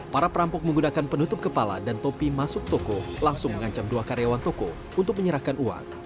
para perampok menggunakan penutup kepala dan topi masuk toko langsung mengancam dua karyawan toko untuk menyerahkan uang